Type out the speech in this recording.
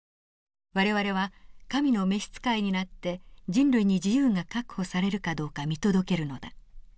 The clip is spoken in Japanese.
「我々は神の召し使いになって人類に自由が確保されるかどうか見届けるのだ」。